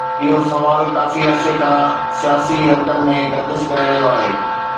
اهو سوال ڪافي عرصي کان سياسي حلقن ۾ گردش ڪري رهيو آهي.